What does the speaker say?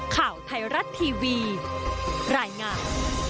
ข่าวไทยรัฐทีวีรายงาน